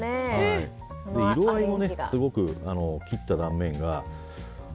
色合いも切った断面が。